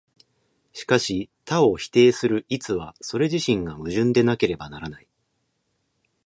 しかし多を否定する一は、それ自身が矛盾でなければならない。